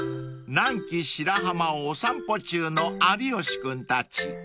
［南紀白浜をお散歩中の有吉君たち］